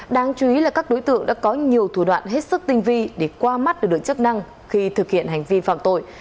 đáng chú ý là các đối tượng đã có nhiều thủ đoạn hết sức tinh vi để qua mắt lực lượng chức năng khi thực hiện hành vi phạm tội